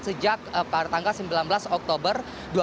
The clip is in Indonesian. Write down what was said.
pada tanggal sembilan belas oktober dua ribu tujuh belas